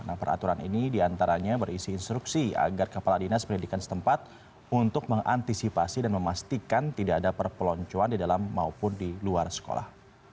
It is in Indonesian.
nah peraturan ini di antaranya berisi instruksi agar kepala dinas pendidikan setempat untuk mengantisipasi dan memastikan tidak ada perpeloncoan didalam maupun diluar sekolah